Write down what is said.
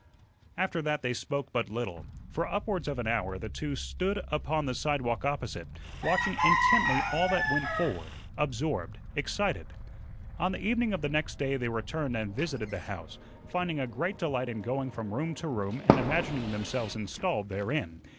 After that they spoke but little. For upwards of an hour the two stood upon the sidewalk opposite, watching intently all that went forward, absorbed, excited. On the evening of the next day they returned and visited the house, finding a great delight in going from room to room and imagining themselves installed therein.